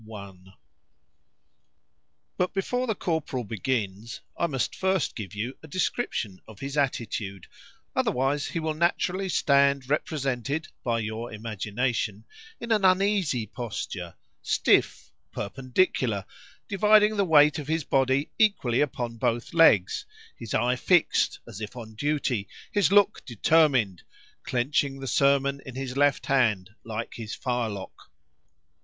XLII ——BUT before the Corporal begins, I must first give you a description of his attitude;——otherwise he will naturally stand represented, by your imagination, in an uneasy posture,—stiff,—perpendicular,—dividing the weight of his body equally upon both legs;——his eye fixed, as if on duty;—his look determined,—clenching the sermon in his left hand, like his firelock.